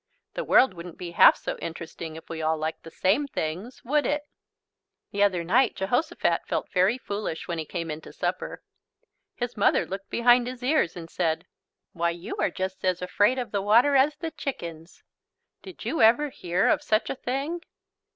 The world wouldn't be half so interesting if we all liked the same things, would it? The other night Jehosophat felt very foolish when he came in to supper. His mother looked behind his ears and said: "Why you are just as afraid of the water as the chickens." Did you ever hear of such a thing!